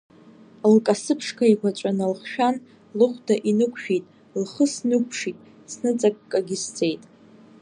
Лкасы ԥшқа еиқәаҵәа налхшәан, лыхәда инықәшәеит, лхы снықәԥшит, сныҵаккагьы сцеит…